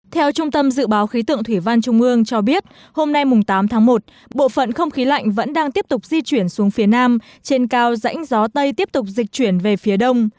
theo trung tâm dự báo khí tượng thủy văn trung ương cho biết hôm nay tám tháng một bộ phận không khí lạnh vẫn đang tiếp tục di chuyển xuống phía nam trên cao rãnh gió tây tiếp tục dịch chuyển về phía đông